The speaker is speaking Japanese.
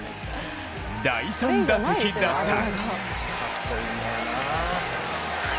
第３打席だった。